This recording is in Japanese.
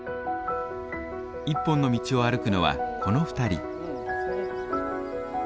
一本の道を歩くのはこの２人。